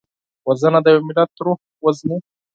وژنه د یو ملت روح وژني